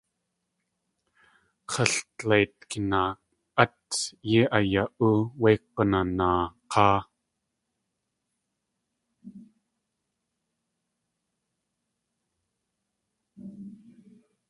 X̲aldleit kinaa.át yéi aya.óo wé G̲unanaa k̲áa.